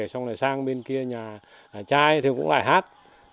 xong rồi sang bên kia nhà trai thì cũng lại hát